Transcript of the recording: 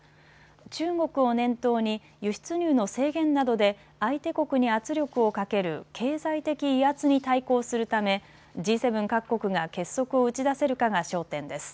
中国を念頭に輸出入の制限などで相手国に圧力をかける経済的威圧に対抗するためＧ７各国が結束を打ち出せるかが焦点です。